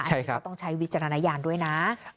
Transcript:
เราต้องใช้วิจารณญาณด้วยนะ